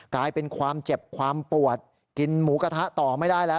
กลายเป็นความเจ็บความปวดกินหมูกระทะต่อไม่ได้แล้ว